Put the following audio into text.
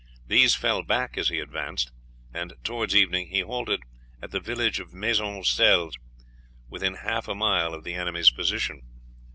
These fell back as he advanced, and towards evening he halted at the village of Maisoncelles, within half a mile of the enemy's position.